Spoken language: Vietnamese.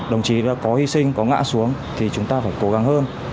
đồng chí đã có hy sinh có ngã xuống thì chúng ta phải cố gắng hơn